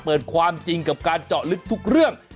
เปิดความจริงกับการเจาะลึกทุกเรื่อง